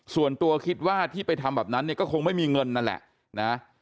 ส่วนตัวคิดว่าที่ไปทำแบบนั้นเนี่ยก็คงไม่มีเงินนั่นแหละนะ